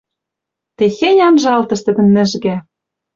Техень анжалтыш тӹдӹн нӹжгӓ!